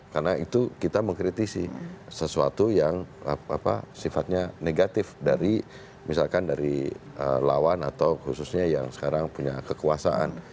karena itu kita mengkritisi sesuatu yang apa apa sifatnya negatif dari misalkan dari lawan atau khususnya yang sekarang punya kekuasaan